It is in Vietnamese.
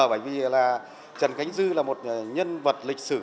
bởi vì là trần khánh dư là một nhân vật lịch sử